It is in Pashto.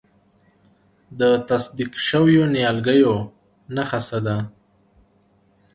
د تصدیق شویو نیالګیو نښه څه ده؟